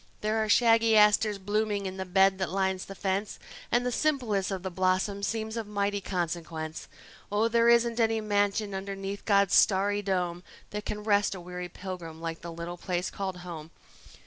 There are shaggy asters blooming in the bed that lines the fence, And the simplest of the blossoms seems of mighty consequence. Oh, there isn't any mansion underneath God's starry dome That can rest a weary pilgrim like the little place called home.